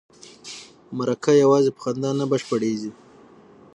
مرکه یوازې په خندا نه بشپړیږي.